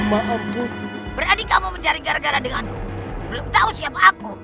belum tahu siapa aku